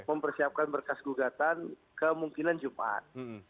mempersiapkan berkas gugatan kemungkinan jumat